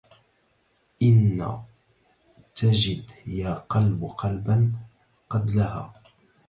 إن تجد يا قلب قلباً قد لها